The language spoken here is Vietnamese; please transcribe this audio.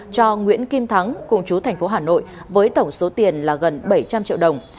cho nguyễn kim thắng cùng chú thành phố hà nội với tổng số tiền là gần bảy trăm linh triệu đồng